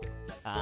あ！